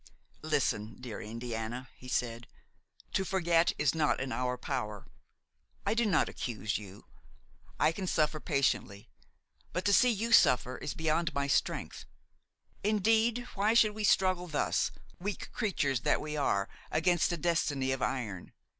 "Listen, dear Indiana," he said; "to forget is not in our power; I do not accuse you! I can suffer patiently; but to see you suffer is beyond my strength. Indeed why should we struggle thus, weak creatures that we are, against a destiny of iron?